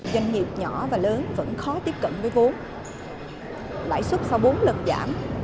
doanh nghiệp nhỏ và lớn vẫn khó tiếp cận với vốn lãi suất sau bốn lần giảm